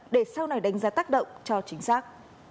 để sau này đánh giá tác động cho chính xác